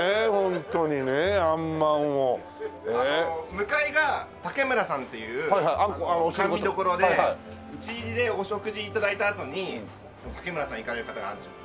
向かいが竹むらさんっていう甘味処でうちでお食事頂いたあとに竹むらさん行かれる方があるんですよ。